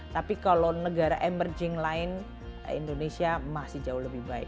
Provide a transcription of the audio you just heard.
tapi kalau negara emerging lain indonesia masih jauh lebih baik